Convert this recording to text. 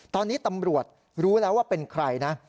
ตอนนี้ตำรวจรู้แล้วว่าเป็นใครนะ